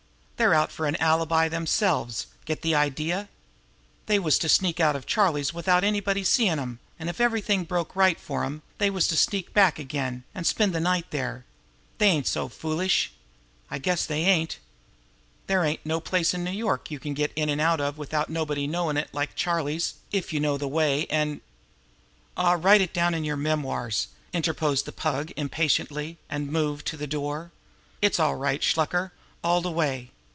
They're out for an alibi themselves. Get the idea? They was to sneak out of Charlie's without anybody seem' 'em, an' if everything broke right for 'em, they was to sneak back again an' spend the night there. No, they ain't so foolish I guess they ain't! There ain't no place in New York you can get in an' out of without nobody knowin' it like Charlie's, if you know the way, an " "Aw, write de rest of it down in yer memoirs!" interposed the Pug impatiently and moved toward the door. "It's all right, Shluker all de way.